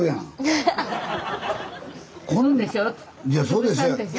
いやそうです。